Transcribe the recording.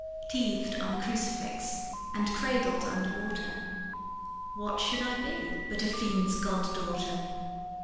Teethed on a crucifix and cradled under water, What should I be but a fiend's god daughter?